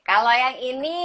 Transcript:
kalau yang ini